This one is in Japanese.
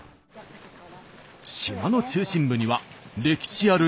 島の中心部には歴史ある神社が。